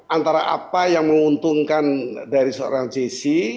antara apa yang menguntungkan dari seorang jessie